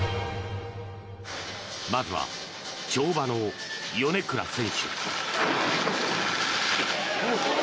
まずは、跳馬の米倉選手。